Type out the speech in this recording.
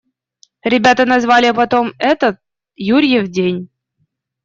Ребята назвали потом это «Юрьев день».